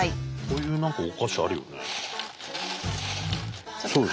こういう何かお菓子あるよね。